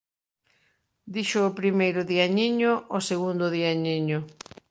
Dixo o primeiro diañiño ó segundo diañiño: